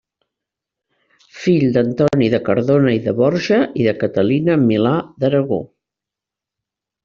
Fill d'Antoni de Cardona i de Borja i de Caterina Milà d'Aragó.